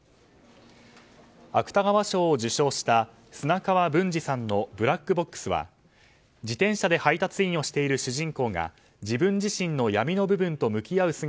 芥川賞を受賞した砂川文次さんの「ブラックボックス」は自転車で配達をしている主人公が自分自身の闇の部分と向き合う